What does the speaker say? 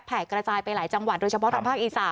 กระจายไปหลายจังหวัดโดยเฉพาะทางภาคอีสาน